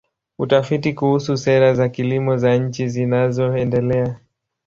Utafiti kuhusu sera za kilimo za nchi zinazoendelea.